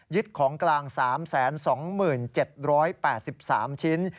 ของกลาง๓๒๗๘๓ชิ้น